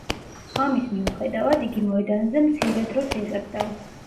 ამის მიუხედავად, იგი მოედანზე მცირე დროს იღებდა.